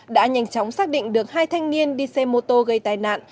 đã nhanh chóng xác định được hai thanh niên đi xe mô tô gây tai nạn